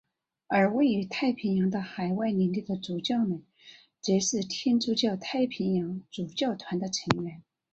而位于太平洋的海外领地的主教们则是天主教太平洋主教团的成员。